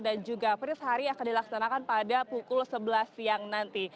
dan juga prince harry akan dilaksanakan pada pukul sebelas siang nanti